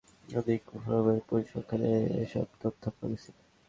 বেসরকারি সংস্থা বাংলাদেশ শিশু অধিকার ফোরামের পরিসংখ্যানে এসব তথ্য পাওয়া গেছে।